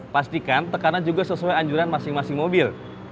pastikan tekanan juga sesuai anjuran masing masing mobil